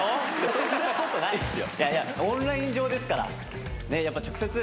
そんなことないっすよ。